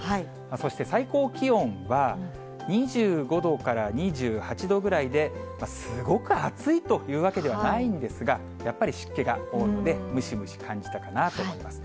そして最高気温は、２５度から２８度ぐらいで、すごく暑いというわけではないんですが、やっぱり湿気が多いので、ムシムシ感じたかなと思います。